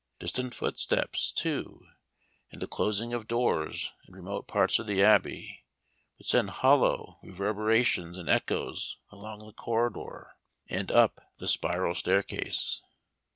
Distant footsteps, too, and the closing of doors in remote parts of the Abbey, would send hollow reverberations and echoes along the corridor and up the spiral staircase.